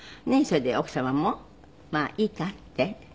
ねえそれで奥様もまあいいかって？